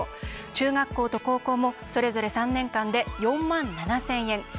中学校と高校もそれぞれ３年間で４万７０００円。